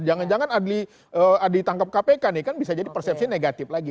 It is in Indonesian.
jangan jangan adli ditangkap kpk nih kan bisa jadi persepsi negatif lagi